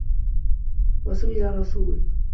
وَسُئِلَ رَسُولُ